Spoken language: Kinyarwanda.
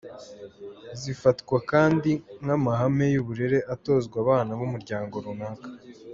Zifatwa kandi nk’amahame y’uburere atozwa abana b’umuryango runaka.